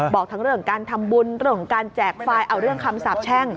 บอกทั้งเรื่องการทำบุญเรื่องของการแจกไฟล์เอาเรื่องคำสาบแช่ง